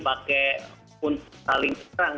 pakai pun saling terang